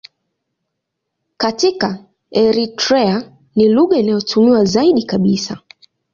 Katika Eritrea ni lugha inayotumiwa zaidi kabisa.